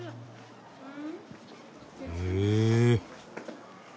へえ。